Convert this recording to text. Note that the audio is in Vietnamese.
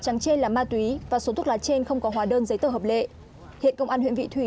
hàng trên là ma túy và số thuốc lá trên không có hóa đơn giấy tờ hợp lệ hiện công an huyện vị thủy